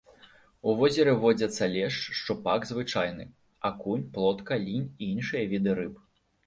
У возеры водзяцца лешч, шчупак звычайны, акунь, плотка, лінь і іншыя віды рыб.